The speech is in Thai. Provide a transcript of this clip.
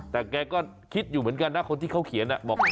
แต่แกก็คิดอยู่เหมือนกันนะคนที่เขาเขียนบอก